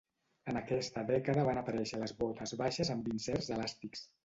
En aquesta dècada van aparèixer les botes baixes amb inserts elàstics.